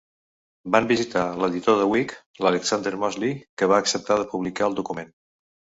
Van visitar l'editor de Whig, l'Alexander Mosely, que va acceptar de publicar el document.